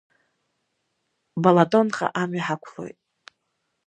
Балатонҟа амҩа ҳақәлоит.